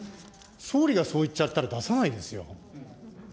総理がそう言っちゃったら、出さないですよ。